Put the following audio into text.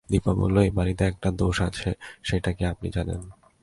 দিপা বলল, এই বাড়িতে একটা দোষ আছে, সেইটা কি আপনি জানেন?